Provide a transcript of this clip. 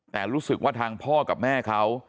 แต่รู้สึกว่าทางพ่อกับแม่เขา